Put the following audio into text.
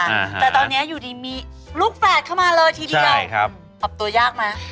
แต่ตอนนี้อยู่ดีมีลูกแฟนเข้ามาเลยทีเดียวปรับตัวยากไหม